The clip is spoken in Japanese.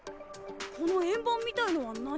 この円盤みたいのは何？